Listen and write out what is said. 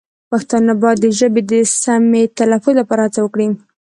پښتانه باید د ژبې د سمې تلفظ لپاره هڅه وکړي.